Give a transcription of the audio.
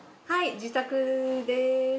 はい自宅です。